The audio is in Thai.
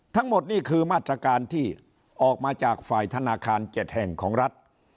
ทั้งหมดนี่คือมาตรการที่ออกมาจากฝ่ายธนาคาร๗แห่งของรัฐ